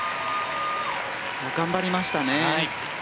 頑張りましたね。